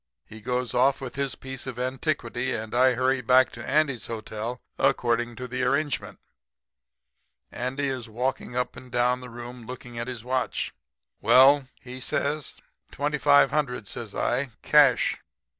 He goes off with his piece of antiquity and I hurry back to Andy's hotel, according to arrangement. "Andy is walking up and down the room looking at his watch. "'Well?' he says. "'Twenty five hundred,' says I. 'Cash.'